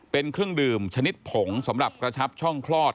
เป็นเครื่องดื่มชนิดผงสำหรับกระชับช่องคลอด